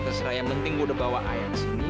terserah yang penting gue udah bawa ayah kesini